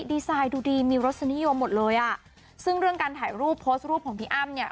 ดีไซน์ดูดีมีรสนิยมหมดเลยอ่ะซึ่งเรื่องการถ่ายรูปโพสต์รูปของพี่อ้ำเนี่ย